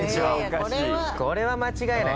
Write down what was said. これは間違えない。